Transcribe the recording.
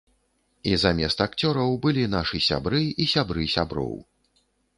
І замест акцёраў былі нашы сябры і сябры сяброў.